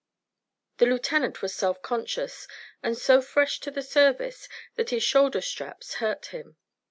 The lieutenant was self conscious and so fresh to the service that his shoulder straps hurt him.